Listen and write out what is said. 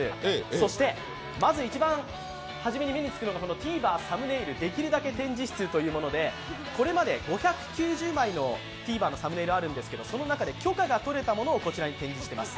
そして、まず一番初めに目に付くのがＴｖｅｒサムネイルできるだけ展示室ということで、これまで５９０枚のＴＶｅｒのサムネイルがあるんですが、許可がとれたものが展示されております。